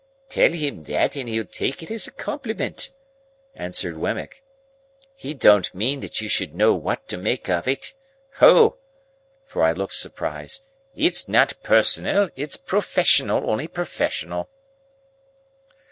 "Tell him that, and he'll take it as a compliment," answered Wemmick; "he don't mean that you should know what to make of it.—Oh!" for I looked surprised, "it's not personal; it's professional: only professional."